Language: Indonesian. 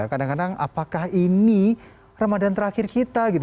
kadang kadang apakah ini ramadan terakhir kita gitu